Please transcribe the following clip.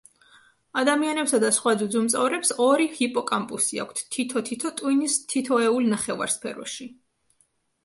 ადამიანებსა და სხვა ძუძუმწოვრებს ორი ჰიპოკამპუსი აქვთ, თითო-თითო ტვინის თითოეულ ნახევარსფეროში.